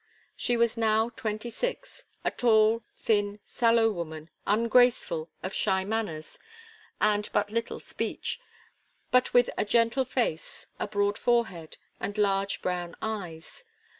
She was now twenty six; a tall, thin, sallow woman, ungraceful, of shy manners, and but little speech; but with a gentle face, a broad forehead, and large brown eyes.